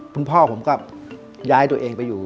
คุณพ่อผมก็ย้ายตัวเองไปอยู่